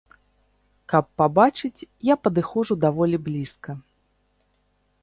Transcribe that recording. Каб пабачыць, я падыходжу даволі блізка.